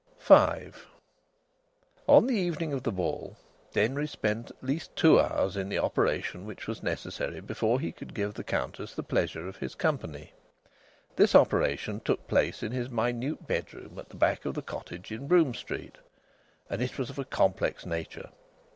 V On the evening of the ball, Denry spent at least two hours in the operation which was necessary before he could give the Countess the pleasure of his company. This operation took place in his minute bedroom at the back of the cottage in Brougham Street, and it was of a complex nature.